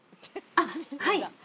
あっはい。